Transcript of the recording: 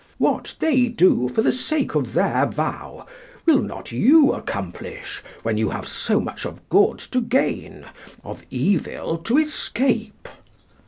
What they do for the sake of their vow will not you accomplish, when you have so much of good to gain, of evil to escape?"